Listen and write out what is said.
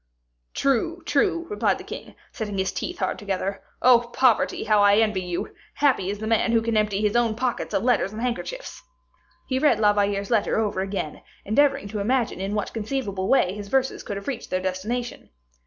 "True, true," replied the king, setting his teeth hard together. "Oh, poverty, how I envy you! Happy is the man who can empty his own pockets of letters and handkerchiefs!" He read La Valliere's letter over again, endeavoring to imagine in what conceivable way his verses could have reached their destination.